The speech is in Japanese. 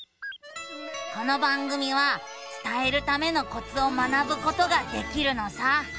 この番組は伝えるためのコツを学ぶことができるのさ。